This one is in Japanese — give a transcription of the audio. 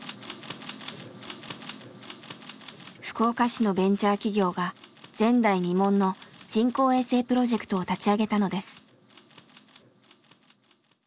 福岡市のベンチャー企業が前代未聞の人工衛星プロジェクトを立ち上げたのです。